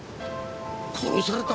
殺された！？